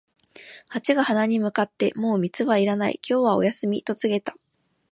ハチが花に向かって、「もう蜜はいらない、今日はお休み」と告げた。